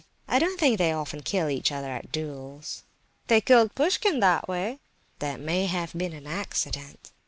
"I don't think they often kill each other at duels." "They killed Pushkin that way." "That may have been an accident."